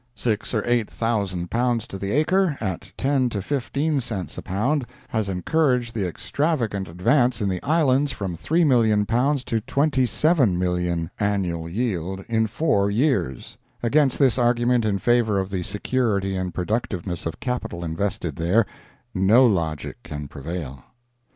Six or eight thousand pounds to the acre, at 10 to 15 cents a pound, has encouraged the extravagant advance in the Islands from 3,000,000 pounds to 27,000,000, annual yield, in four years. Against this argument in favor of the security and productiveness of capital invested there, no logic can prevail.